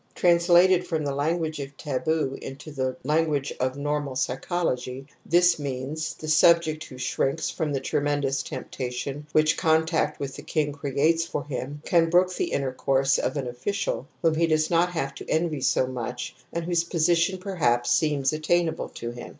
Trans lated from the language of taboo into the lan guage of normal psychology this means : the subject who shrinks from the tremendous temptation which contact with the king creates for him can brook the intercourse of an official, whom he does not have to envy so much and whose position perhaps seems attainable to him.